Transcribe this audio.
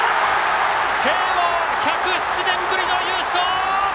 慶応１０７年ぶりの優勝！